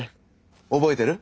覚えてる？